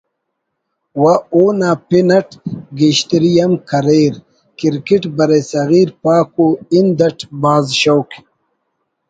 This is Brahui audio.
و اونا پن اٹ گیشتری ہم کریر کرکٹ برصغیر پاک و ہند اٹ بھاز شوق